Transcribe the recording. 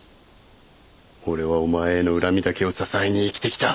俺はお前への恨みだけを支えに生きてきた。